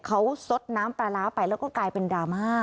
เขาสดน้ำปลาร้าไปแล้วก็กลายเป็นดราม่า